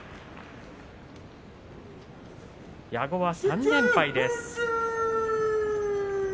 矢後は３連敗です。